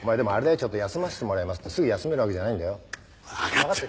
ちょっと休ましてもらいますってすぐ休めるわけじゃないんだよ。分かってる。